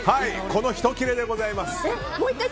このひと切れでございます。